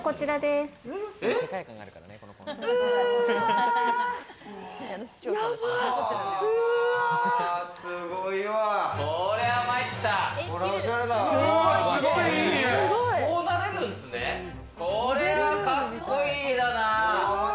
すごいわ！